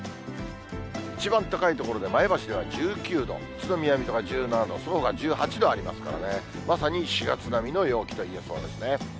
一番高い所で、前橋では１９度、宇都宮、水戸が１７度、そのほか１８度ありますからね、まさに４月並みの陽気と言えそうですね。